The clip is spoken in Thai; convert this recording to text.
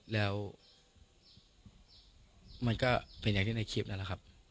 แล้วมันก็เป็นอย่างที่ในคลิปนั่นแหละครับ